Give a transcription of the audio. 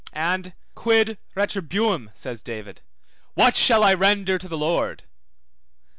And quid retribuam, says David, What shall I render to the Lord?